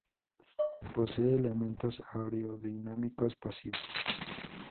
Posee elementos aerodinámicos pasivos.